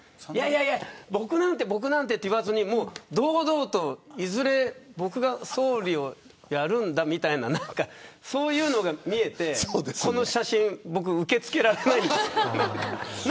僕なんてと言わずに堂々といずれ僕が総理をやるんだみたいなそういうのが見えて、この写真僕受け付けられないです。